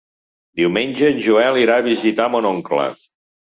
Diumenge en Joel irà a visitar mon oncle.